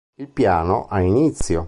Il piano... ha inizio.